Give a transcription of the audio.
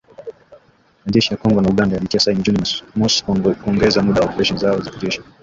majeshi ya Kongo na Uganda yalitia saini Juni mosi kuongeza muda wa operesheni zao za kijeshi